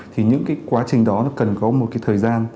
thì những cái quá trình đó nó cần có một cái thời gian